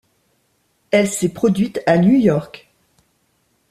Elle s'est produite à New York.